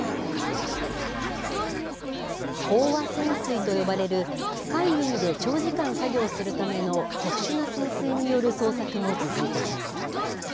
飽和潜水と呼ばれる、深い海で長時間作業するための特殊な潜水による捜索も続いています。